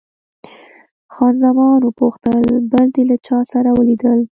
خان زمان وپوښتل، بل دې له چا سره ولیدل؟